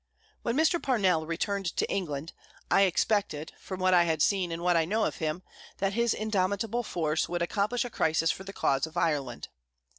When Mr. Parnell returned to England, I expected, from what I had seen and what I knew of him, that his indomitable force would accomplish a crisis for the cause of Ireland.